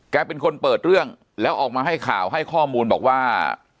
เป็นคนเปิดเรื่องแล้วออกมาให้ข่าวให้ข้อมูลบอกว่า